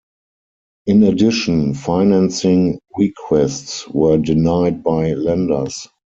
In addition, financing requests were denied by lenders.